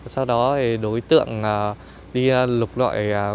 sau đó đối tượng đi lục loại